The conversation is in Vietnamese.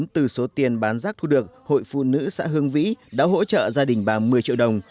từ số tiền bán rác thu được hội phụ nữ xã hương vĩ đã hỗ trợ gia đình bà một mươi triệu đồng